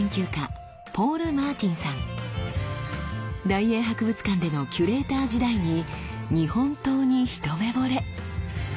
大英博物館でのキュレーター時代に日本刀にひとめぼれ。